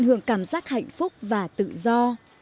tận hưởng cảm giác hạnh phúc và tự do